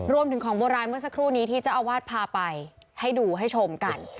ของโบราณเมื่อสักครู่นี้ที่เจ้าอาวาสพาไปให้ดูให้ชมกัน